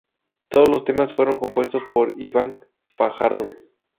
Todos los temas fueron compuestos por Iván Fajardo.